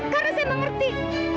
karena saya mengerti